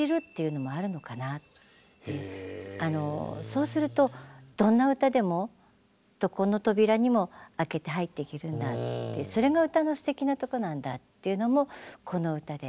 そうするとどんな歌でもどこの扉にも開けて入って行けるんだってそれが歌のすてきなとこなんだっていうのもこの歌で。